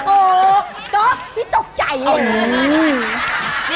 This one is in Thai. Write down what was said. โอ้โฮก๊อบพี่ตกใจเลย